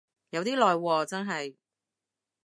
有啲耐喎真係